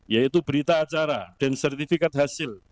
yaitu berita acara dan sertifikat hasil